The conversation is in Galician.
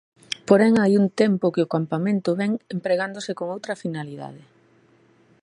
Porén, hai un tempo que o campamento vén empregándose con outra finalidade.